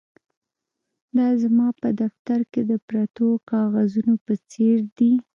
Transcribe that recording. دا زما په دفتر کې د پرتو کاغذونو په څیر دي